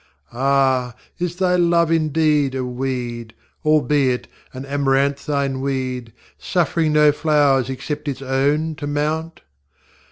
Ah! is Thy love indeed A weed, albeit an amaranthine weed, Suffering no flowers except its own to mount?